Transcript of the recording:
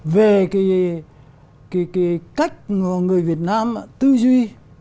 về cái cách người việt nam tư duy